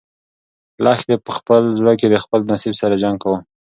لښتې په خپل زړه کې د خپل نصیب سره جنګ کاوه.